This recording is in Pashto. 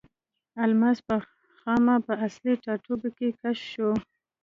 الماس په خاما په اصلي ټاټوبي کې کشف شو.